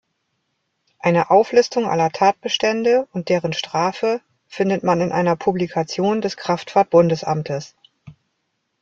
Eine Auflistung aller Tatbestände und deren Strafe findet man in einer Publikation des Kraftfahrt-Bundesamtes.